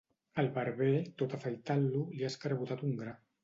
El barber, tot afaitant-lo, li ha escarbotat un gra.